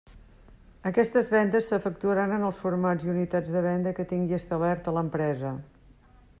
Aquestes vendes s'efectuaran en els formats i unitats de venda que tingui establerta l'empresa.